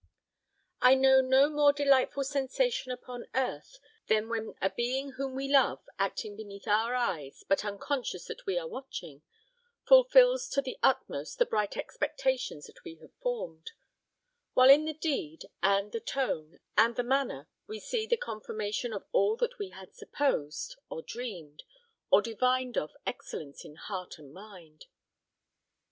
I know no more delightful sensation upon earth, than when a being whom we love, acting beneath our eyes, but unconscious that we are watching, fulfils to the utmost the bright expectations that we have formed; while in the deed, and the tone, and the manner we see the confirmation of all that we had supposed, or dreamed, or divined of excellence in heart and mind.